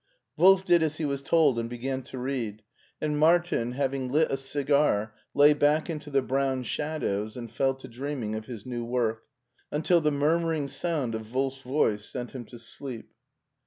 Wolf did as he was told and began to read, and Martin, having lit a cigar, lay back into the brown shadows and fell to dreaming of his new work, until the murmuring sound of Wolfs voice sent him to sleep.